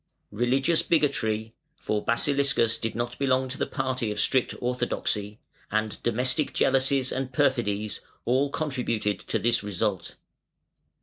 Religious bigotry (for Basiliscus did not belong to the party of strict orthodoxy) and domestic jealousies and perfidies all contributed to this result.